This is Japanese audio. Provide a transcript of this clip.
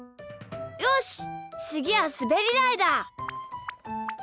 よしつぎはすべりだいだ！